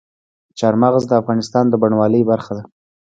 چار مغز د افغانستان د بڼوالۍ برخه ده.